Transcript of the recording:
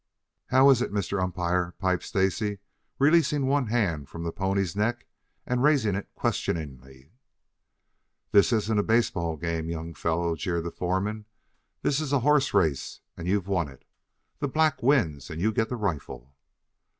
"How is it, Mr. Umpire?" piped Stacy, releasing one hand from the pony's neck and raising it questioningly. "This isn't a baseball game, young fellow," jeered the foreman. "This is a hoss race and you've won it. The black wins and you get the rifle."